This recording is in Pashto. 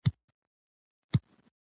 پسرلی د افغانانو د تفریح یوه وسیله ده.